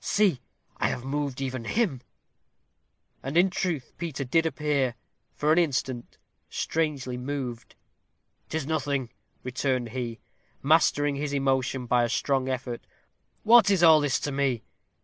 See, I have moved even him." And in truth Peter did appear, for an instant, strangely moved. "'Tis nothing," returned he, mastering his emotion by a strong effort. "What is all this to me?